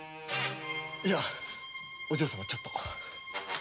いやお嬢様ちょっと。